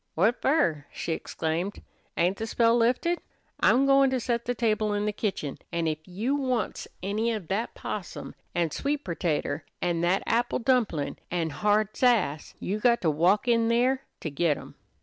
"What fer?" she exclaimed. "Ain't the spell lifted? I'm goin' to set the table in the kitchen, an' ef you wants any of that possum an' sweet pertater an' that apple dumplin' an' hard sass, you got to walk in there to git em."